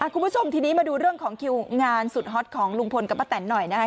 คุณผู้ชมทีนี้มาดูเรื่องของคิวงานสุดฮอตของลุงพลกับป้าแตนหน่อยนะคะ